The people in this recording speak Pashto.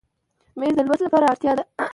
مېز د لوست لپاره اړتیا ده.